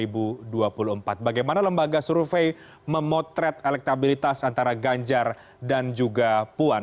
bagaimana lembaga survei memotret elektabilitas antara ganjar dan juga puan